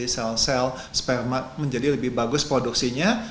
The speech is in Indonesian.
sel sel sperma menjadi lebih bagus produksinya